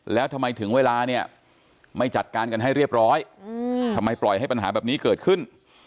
แล้วทำไมถึงเวลาเนี่ยไม่จัดการกันให้เรียบร้อยทำไมปล่อยให้ปัญหาแบบนี้เกิดขึ้น